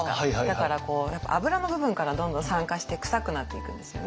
だからやっぱ脂の部分からどんどん酸化して臭くなっていくんですよね。